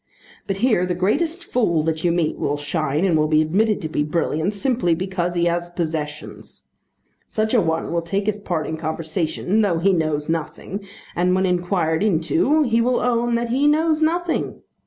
But here the greatest fool that you meet will shine, and will be admitted to be brilliant, simply because he has possessions. Such a one will take his part in conversation though he knows nothing, and, when inquired into, he will own that he knows nothing.